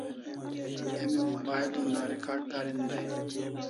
Emi mobile una recard karin dai